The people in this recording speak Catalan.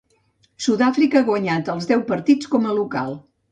Sud-àfrica ha guanyat els deu partits com a local.